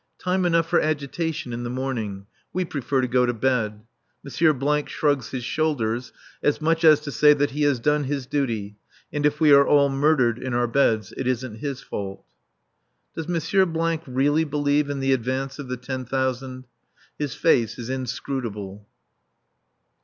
Time enough for agitation in the morning. We prefer to go to bed. M. shrugs his shoulders, as much as to say that he has done his duty and if we are all murdered in our beds it isn't his fault. Does M. really believe in the advance of the ten thousand? His face is inscrutable.